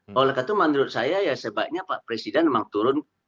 oleh karena itu menurut saya ya sebaiknya pak presiden memang turun